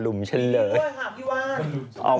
อยู่บนหิ้ง